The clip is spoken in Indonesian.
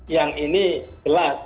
yang ini gelap